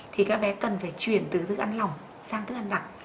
thì các bé cần phải chuyển từ thức ăn lỏng sang thức ăn nặc